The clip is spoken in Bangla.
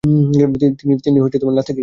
তিনি নাস্তিক ছিলেন।